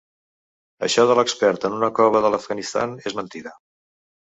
Això de l’expert en una cova de l’Afganistan és mentida.